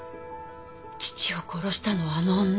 父を殺したのはあの女。